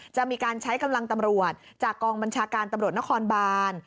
จะมีการใช้กำลังตำรวจจากกองบัญชาการตำรวจนครบาน